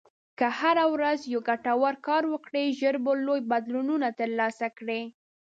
که هره ورځ یو ګټور کار وکړې، ژر به لوی بدلونونه ترلاسه کړې.